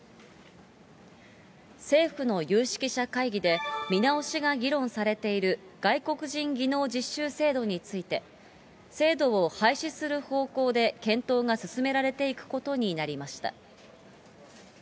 政府の有識者会議で、見直しが議論されている外国人技能実習制度について、制度を廃止する方向で検討が進められていくことになりました。